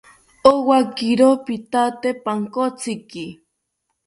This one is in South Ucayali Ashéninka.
Owakiro pithate pankotziki